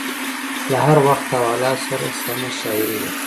له هر وخت او حالاتو سره سمه شاعري ده.